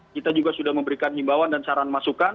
kita juga sudah memberikan himbawan dan saran masukan